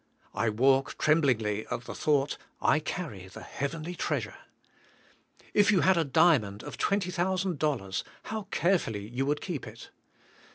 I walk tremblingly at the thought, I carry the heavenly treasure. If you had a diamond of twenty thousand dollars how carefully you would keep it.